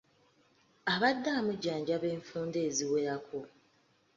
Abadde amujjanjaba enfunda eziwerako.